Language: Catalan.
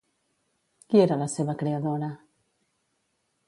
Qui era la seva creadora?